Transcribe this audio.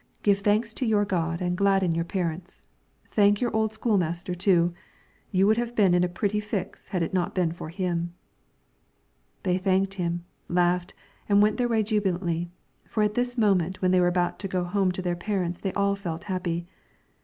Give thanks to your God and gladden your parents. Thank your old school master too; you would have been in a pretty fix if it had not been for him." They thanked him, laughed, and went their way jubilantly, for at this moment when they were about to go home to their parents they all felt happy.